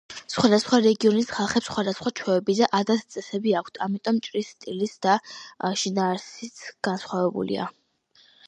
სხვადასხვა რეგიონის ხალხებს სხვადასხვა ჩვევები და ადათ-წესები აქვთ, ამიტომ ჭრის სტილიც და შინაარსიც განსხვავებულია.